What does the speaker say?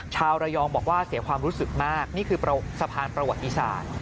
ชาวระยองบอกว่าเสียความรู้สึกมากนี่คือสะพานประวัติศาสตร์